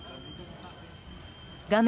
画面